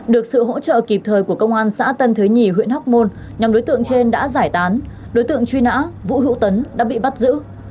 được sự hỗ trợ kịp thời của công an xã tân thới nhì huyện hóc môn nhóm đối tượng trên đã giải tán đối tượng truy nã vũ hữu tấn đã bị bắt giữ